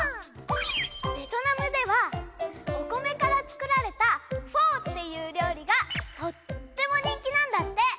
ベトナムではお米から作られたフォーっていう料理がとっても人気なんだって。